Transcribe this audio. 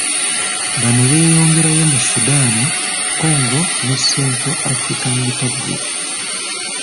Bano beeyongerayo mu Sudan, Congo ne Central African Republic.